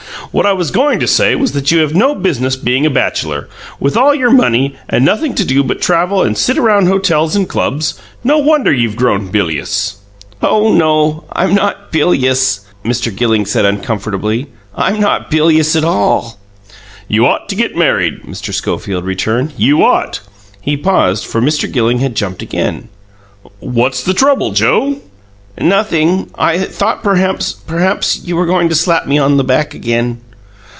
What I was going to say was that you have no business being a bachelor. With all your money, and nothing to do but travel and sit around hotels and clubs, no wonder you've grown bilious." "Oh, no; I'm not bilious," Mr. Gilling said uncomfortably. "I'm not bilious at all." "You ought to get married," Mr. Schofield returned. "You ought " He paused, for Mr. Gilling had jumped again. "What's the trouble, Joe?" "Nothing. I thought perhaps perhaps you were going to slap me on the back again."